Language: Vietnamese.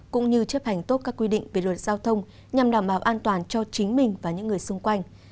cũng như chấp hành tốt các quy định về luật giao thông nhằm đảm bảo an toàn cho chính mình và những người xung quanh